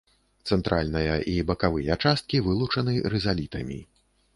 Цэнтральная і бакавая часткі вылучаны рызалітамі.